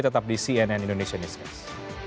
tetap di cnn indonesia newscast